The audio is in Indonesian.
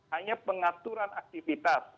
hanya pengaturan aktivitas